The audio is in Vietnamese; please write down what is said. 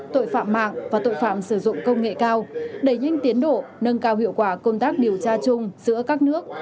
tội phạm mạng và tội phạm sử dụng công nghệ cao đẩy nhanh tiến độ nâng cao hiệu quả công tác điều tra chung giữa các nước